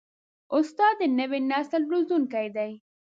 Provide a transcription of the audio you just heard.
استاد د نوي نسل روزونکی دی.